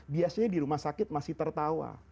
biasanya di rumah sakit masih tertawa